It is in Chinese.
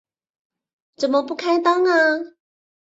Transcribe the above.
怎么不开灯啊